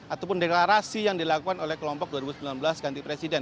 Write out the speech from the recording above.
ataupun deklarasi yang dilakukan oleh kelompok dua ribu sembilan belas ganti presiden